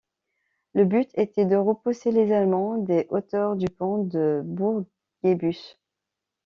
Le but était de repousser les Allemands des hauteurs du pont de Bourguebus.